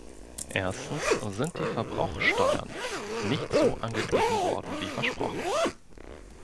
Erstens sind die Verbrauchsteuern nicht so angeglichen worden wie versprochen.